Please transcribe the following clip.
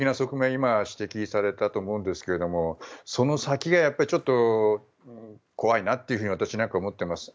今、指摘されたと思うんですがその先がやっぱりちょっと怖いなと私なんか思っています。